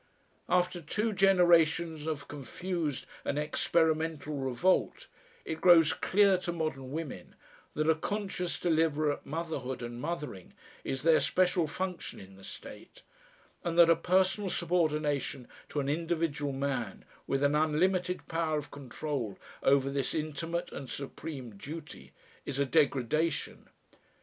After two generations of confused and experimental revolt it grows clear to modern women that a conscious, deliberate motherhood and mothering is their special function in the State, and that a personal subordination to an individual man with an unlimited power of control over this intimate and supreme duty is a degradation.